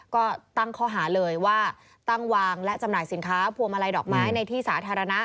ก็ตั้งข้อหาเลยว่าตั้งวางและจำหน่ายสินค้าพวงมาลัยดอกไม้ในที่สาธารณะ